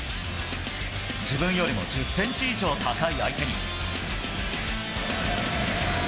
自分よりも１０センチ以上高い相手に。